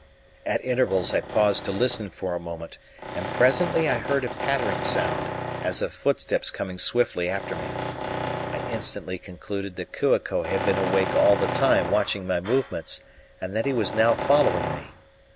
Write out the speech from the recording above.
At intervals I paused to listen for a moment; and presently I heard a pattering sound as of footsteps coming swiftly after me. I instantly concluded that Kua ko had been awake all the time watching my movements, and that he was now following me.